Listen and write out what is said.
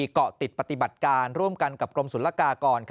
เกาะติดปฏิบัติการร่วมกันกับกรมศุลกากร